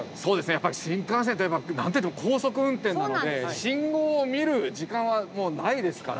やっぱり新幹線といえば何といっても高速運転なので信号を見る時間はもうないですから。